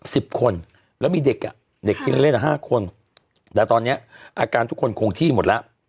สิบคนแล้วมีเด็กอ่ะเด็กที่เล่นเล่นอ่ะห้าคนแต่ตอนเนี้ยอาการทุกคนคงที่หมดแล้ว